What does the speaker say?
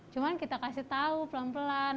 cuma kita kasih tahu pelan pelan